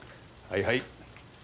はいはい。